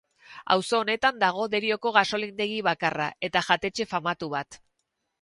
Auzo honetan dago Derioko gasolindegi bakarra eta jatetxe famatu bat.